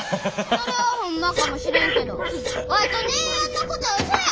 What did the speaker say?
それはホンマかもしれんけどワイと姉やんのことはうそや！